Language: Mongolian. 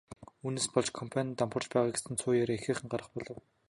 Үүнээс болж компани нь дампуурч байгаа гэсэн цуу яриа ихээхэн гарах болов.